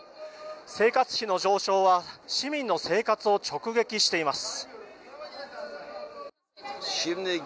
生活費の上昇は市民の生活を直撃しています。